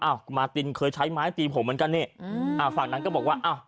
มาตินเคยใช้ไม้ตีผมเหมือนกันนี่อืมอ่าฝั่งนั้นก็บอกว่าอ้าว